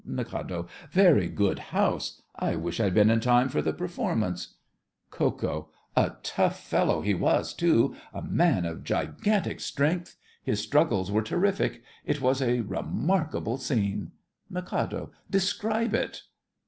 MIK. Very good house. I wish I'd been in time for the performance. KO. A tough fellow he was, too—a man of gigantic strength. His struggles were terrific. It was a remarkable scene. MIK. Describe it.